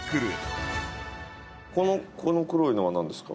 この黒いのは何ですか？